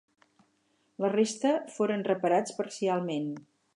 La resta foren reparats parcialment.